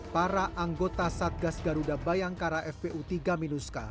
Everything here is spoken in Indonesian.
para anggota satgas garuda bayangkara fpu tiga minuska